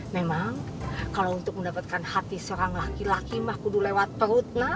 memang kalau untuk mendapatkan hati seorang laki laki mah kudu lewat perut